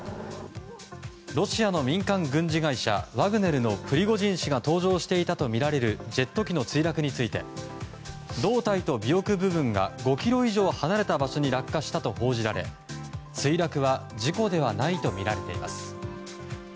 ロシアの民間軍事会社ワグネルのプリゴジン氏が搭乗していたとみられるジェット機の墜落について胴体と尾翼部分が５ｋｍ以上離れた場所に落下したと報じられ墜落は事故ではないとみられています。